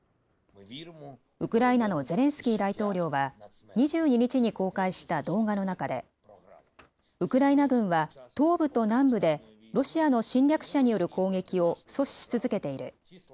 ウクライナのゼレンスキー大統領は、２２日に公開した動画の中で、ウクライナ軍は東部と南部でロシアの侵略者による攻撃を阻止し続けている。